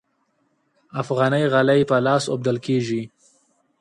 افغاني غالۍ په لاس اوبدل کیږي